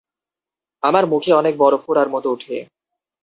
আমার মুখে অনেক বড় ফোঁড়ার মত উঠে।